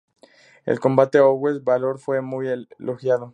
El combate Owens-Bálor fue muy elogiado.